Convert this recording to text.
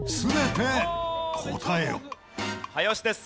早押しです。